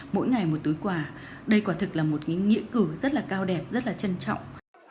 mỗi ngày một túi quà đây quả thực là một nghĩa cử rất là cao đẹp rất là trân trọng